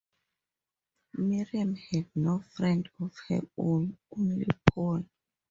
Miriam had no friend of her own, only Paul.